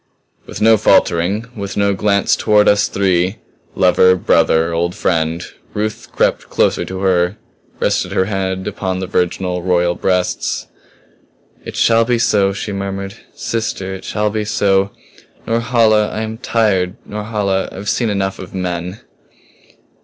With no faltering, with no glance toward us three lover, brother, old friend Ruth crept closer to her, rested her head upon the virginal, royal breasts. "It shall be so!" she murmured. "Sister it shall be so. Norhala I am tired. Norhala I have seen enough of men."